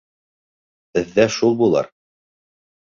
Беҙҙә шул булыр.